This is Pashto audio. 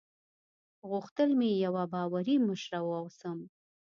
غوښتل مې یوه باوري مشره واوسم.